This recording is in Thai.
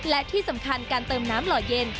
และที่สำคัญการเติมน้ำหล่อเย็น